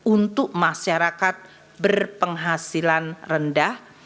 untuk masyarakat berpenghasilan rendah